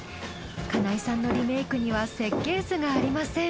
金井さんのリメイクには設計図がありません。